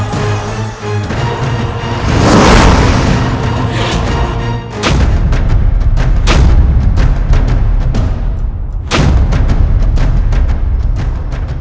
atau tentang kakaknya